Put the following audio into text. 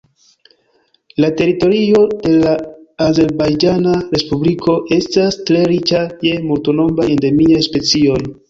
La teritorio de la Azerbajĝana Respubliko estas tre riĉa je multnombraj endemiaj specioj.